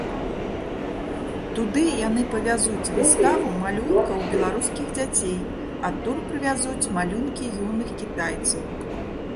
Туды яны павязуць выставу малюнкаў беларускіх дзяцей, адтуль прывязуць малюнкі юных кітайцаў.